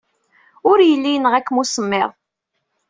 Ur yelli yenɣa-ken usemmiḍ.